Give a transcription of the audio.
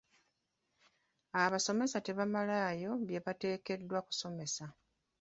Abasomesa tebamalaayo bye bateekeddwa kusomesa.